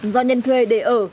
do nhân thuê để ở